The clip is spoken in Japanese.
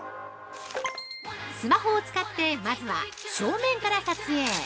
◆スマホを使ってまずは正面から撮影！